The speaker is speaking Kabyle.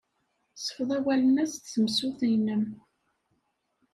Sfeḍ awalen-a s tsemsut-nnem.